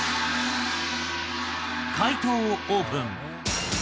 解答をオープン。